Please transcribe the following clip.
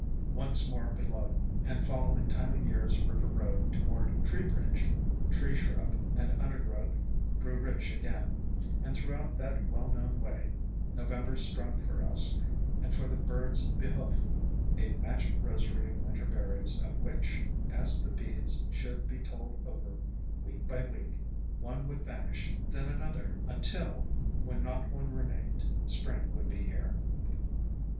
Once more below, V 338 AFTERMATH and following Time o' Year's river road toward Tree bridge, tree shrub and undergrowth grew rich again, and throughout that well known way, November strung for us, and for the birds' behoof, a magic rosary of Winter berries of which, as the beads should be told over, week by week, one would vanish, then another, until, when not one remained, Spring would be here.